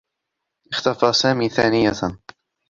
اختفى سامي ثانيةً.